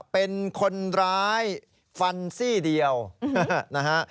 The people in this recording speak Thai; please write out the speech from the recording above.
เป็นคนร้ายฟันซี่เดียวนะฮะ